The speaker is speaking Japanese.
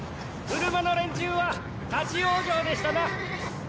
車の連中は立往生でしたな。